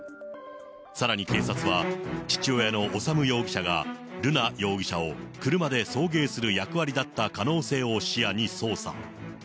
さらに警察は、父親の修容疑者が、瑠奈容疑者を車で送迎する役割だった可能性を視野に捜査。